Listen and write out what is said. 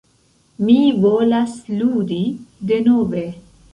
Mi volas ludi... denove...